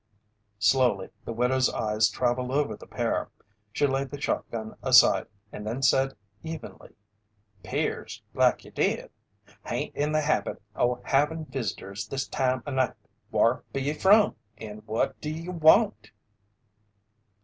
Slowly the widow's eyes traveled over the pair. She laid the shotgun aside and then said evenly: "'Pears like you did. Hain't in the habit o' having visitors this time o' night. Whar be ye from and what do you want?"